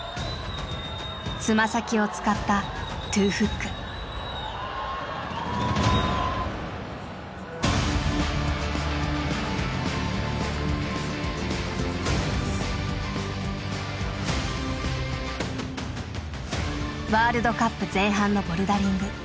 つま先を使ったワールドカップ前半のボルダリング。